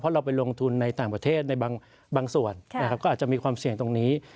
เราไปลงทุนในต่างประเทศในบางส่วนก็อาจจะมีความเสี่ยงตรงนี้